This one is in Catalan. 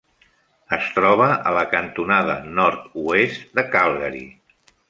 Es troba a la cantonada nord-oest de Calgary.